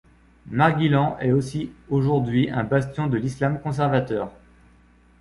Marguilan est aussi aujourd'hui un bastion de l'islam conservateur.